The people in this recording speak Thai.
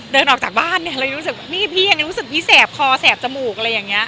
เดินออกจากบ้านเนี่ยเรายังรู้สึกนี่พี่ยังรู้สึกพี่แสบคอแสบจมูกอะไรอย่างนี้